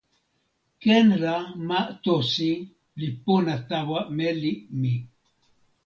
ken la ma Tosi li pona tawa meli mi.